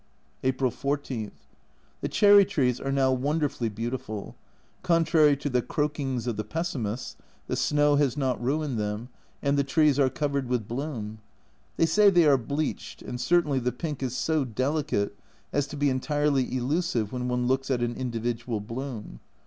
April 14. The cherry trees are now wonderfully beautiful ; contrary to the croakings of the pessimists, the snow has not ruined them, and the trees are covered with bloom. They say they are bleached, and certainly the pink is so delicate as to be entirely elusive when one looks at an individual bloom.